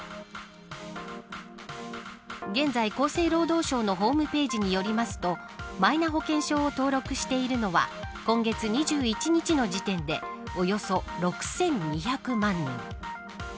現在、厚生労働省のホームページによりますとマイナ保険証を登録しているのは今月２１日の時点でおよそ６２００万人。